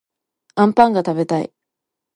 あんぱんがたべたい